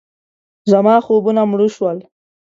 زما خوبونه مړه شول.